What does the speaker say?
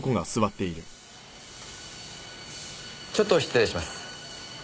ちょっと失礼します。